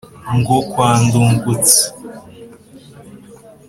Ngo: Kwa Ndungutse